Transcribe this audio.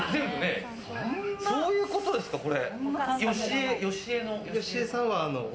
そういうことですか、これ。